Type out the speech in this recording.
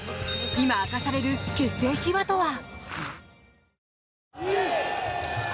今、明かされる結成秘話とは？